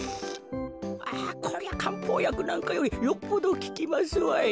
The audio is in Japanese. ああこりゃかんぽうやくなんかよりよっぽどききますわい。